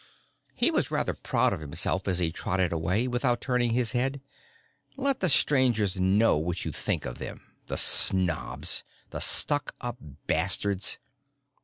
He was rather proud of himself as he trotted away, without turning his head. Let the Strangers know what you think of them. The snobs. The stuck up bastards.